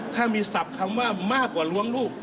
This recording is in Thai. ถ้ามีศัพท์คำว่ามากกว่าล้วงลูก